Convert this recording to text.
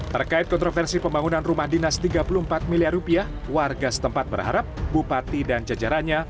terkait kontroversi pembangunan rumah dinas tiga puluh empat miliar rupiah warga setempat berharap bupati dan jajarannya